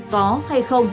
có hay không